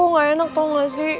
nggak enak tau gak sih